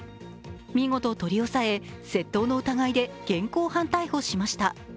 見事、取り押さえ、窃盗の疑いで現行犯逮捕しました。